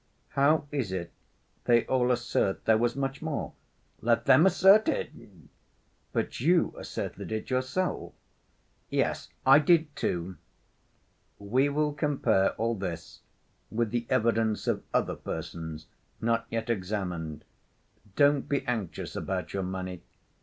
"How is it they all assert there was much more?" "Let them assert it." "But you asserted it yourself." "Yes, I did, too." "We will compare all this with the evidence of other persons not yet examined. Don't be anxious about your money.